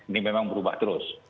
ini memang berubah terus